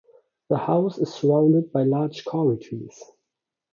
The house is surrounded by large kauri trees.